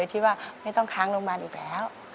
ที่ว่าไม่ต้องค้างโรงพยาบาลอีกแล้ว